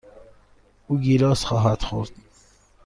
او گیلاس خواهد خورد.